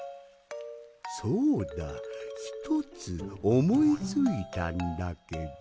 そうだ１つおもいついたんだけど。